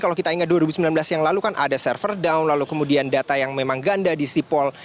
kalau kita ingat dua ribu sembilan belas yang lalu kan ada server down lalu kemudian data yang memang ganda di sipol